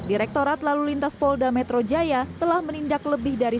direktorat lalu lintas polda metro jaya telah menindak lebih dari